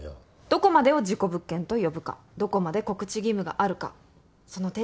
どこまでを事故物件と呼ぶかどこまで告知義務があるかその定義は曖昧なんです。